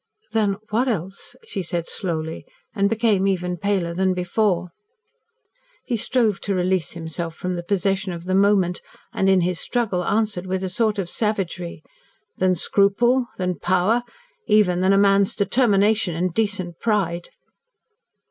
"Than what else?" she said slowly, and became even paler than before. He strove to release himself from the possession of the moment, and in his struggle answered with a sort of savagery. "Than scruple than power even than a man's determination and decent pride."